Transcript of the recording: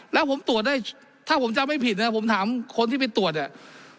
แล้วผมตรวจได้ถ้าผมจำไม่ผิดนะผมถามคนที่ไปตรวจเนี่ย